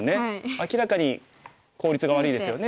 明らかに効率が悪いですよね。